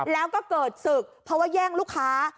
แล้วก็เกิดศึกเพราะว่าแย่งลูกค้า